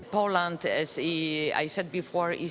polandia seperti yang saya katakan sebelumnya